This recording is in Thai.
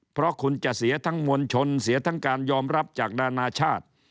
เพราะคุณจะเสียทั้งมวลชนเสียทั้งการยอมรับจากดานาชาติ